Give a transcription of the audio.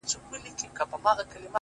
وځان ته بله زنده گي پيدا كړه’